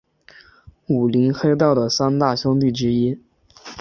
武林黑道的三大凶地之一。